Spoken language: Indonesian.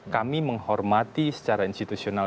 kami menghormati secara institusional